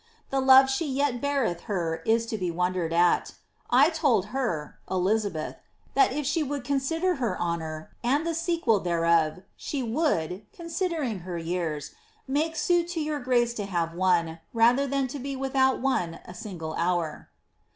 The love she yet beareth her is to be wondered at I told her (Elizabeth), that if she would con sider her honour, and the sequel thereof, she would, considering her Tears* make suit to your grace to have one, rather thau be without one a single hour.'